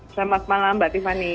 selamat malam mbak tiffany